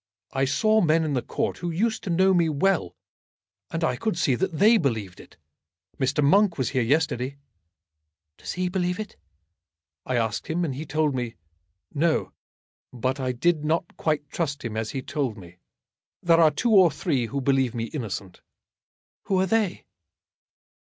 I saw men in the Court who used to know me well, and I could see that they believed it. Mr. Monk was here yesterday." "Does he believe it?" "I asked him, and he told me no. But I did not quite trust him as he told me. There are two or three who believe me innocent." "Who are they?"